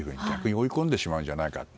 逆に追い込んでしまうんじゃないか。